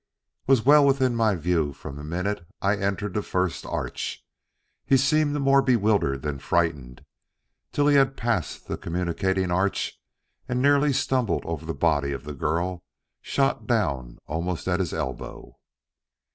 "Was well within my view from the minute I entered the first arch. He seemed more bewildered than frightened till he had passed the communicating arch and nearly stumbled over the body of the girl shot down almost at his elbow."